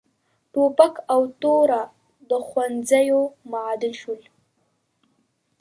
ټوپک او توره د ښوونځیو معادل شول.